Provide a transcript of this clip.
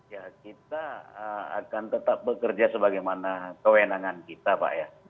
ya kita akan tetap bekerja sebagaimana kewenangan kita pak ya